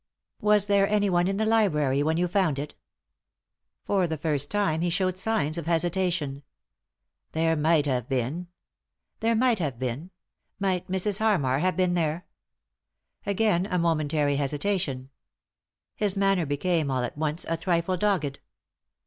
" Was there anyone in the library when you found it?" For the first time he showed signs of hesitation. "There might have been." " There might have been ? Might Mrs. Ilarmar have been there ?" Again a momentary hesitation. His manner be came, all at once, a trifle dogged.